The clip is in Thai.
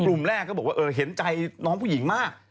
กลุ่มแรกก็บอกว่าเห็นใจน้องผู้หญิงมาก